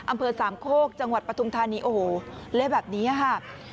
อำเภอสามโคกจังหวัดปฐุมธานีโอ้โหเละแบบนี้ค่ะ